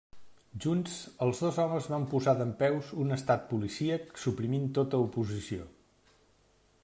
Junts, els dos homes van posar dempeus un estat policíac suprimint tota oposició.